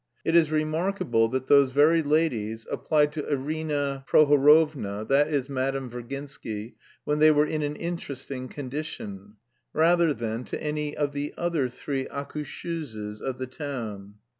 It is remarkable that those very ladies applied to Arina Prohorovna (that is, Madame Virginsky) when they were in an interesting condition, rather than to any one of the other three accoucheuses of the town.